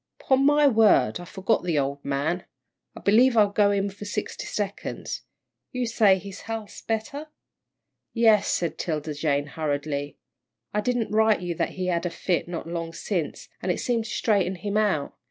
"'Pon my word, I forgot the old man. I believe I'll go in for sixty seconds. You say his health's better?" "Yes," said 'Tilda Jane, hurriedly, "I didn't write you that he had a fit not long sence, and it seemed to straighten him out.